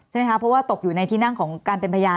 ใช่ไหมคะเพราะว่าตกอยู่ในที่นั่งของการเป็นพยาน